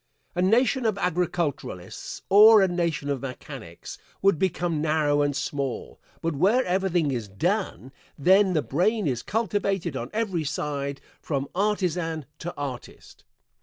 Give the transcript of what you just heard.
A nation of agriculturalists or a nation of mechanics would become narrow and small, but where everything is done, then the brain is cultivated on every side, from artisan to artist.